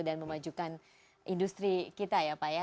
dan memajukan industri kita ya pak ya